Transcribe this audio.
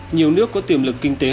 nhiều nước có tiềm lực kinh tế